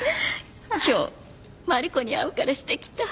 今日マリコに会うからしてきた。